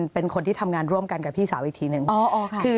เป็นคนที่ทำงานร่วมกันกับพี่สาวอีกทีหนึ่ง